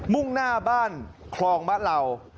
มุ่งหน้าบ้านคลองมะเหล่า